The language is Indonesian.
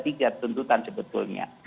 tiga tuntutan sebetulnya